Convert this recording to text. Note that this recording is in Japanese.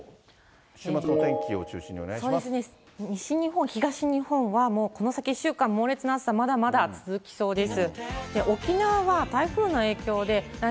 木島さん、西日本、東日本はもうこの先１週間、猛烈な暑さ、まだまだ続きそうです。